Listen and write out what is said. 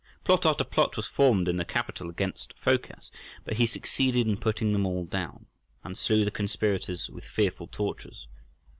Plot after plot was formed in the capital against Phocas, but he succeeded in putting them all down, and slew the conspirators with fearful tortures.